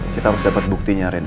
kita harus dapet buktinya rena